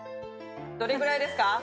どれぐらいですか？